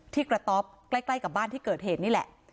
ที่กระต๊อบใกล้กับบ้านที่เกิดเหตุนี่แหละ